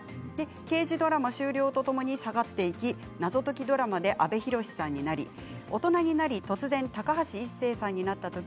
刑事ドラマ終了とともに下がっていき謎解きドラマで阿部寛さんになり大人になり突然、高橋一生さんになったとき